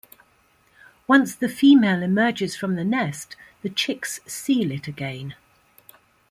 Once the female emerges from the nest, the chicks seal it again.